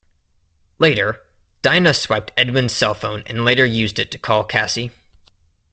Later, Dinah swiped Edmund's cell phone and later used it to call Cassie.